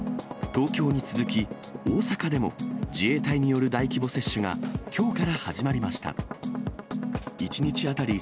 東京に続き、大阪でも、自衛隊による大規模接種がきょうから始まりました。